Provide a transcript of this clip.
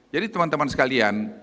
jadi teman teman sekalian